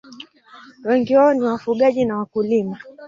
Wengi wao ni wafugaji na wakulima.